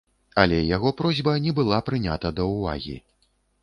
Але яго просьба не была прынята да ўвагі.